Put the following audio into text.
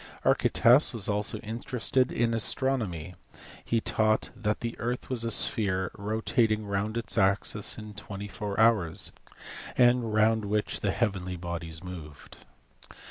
Archytas was also interested in astronomy ; he taught that the earth was a sphere rotating round its axis in 24 hours, and round which the heavenly bodies moved.